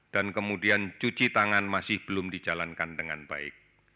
dan kemudian cuci tangan masih belum dijalankan dengan baik